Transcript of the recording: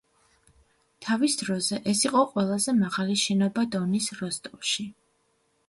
თავის დროზე ეს იყო ყველაზე მაღალი შენობა დონის როსტოვში.